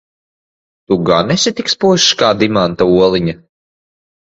Tu gan esi tik spožs kā dimanta oliņa?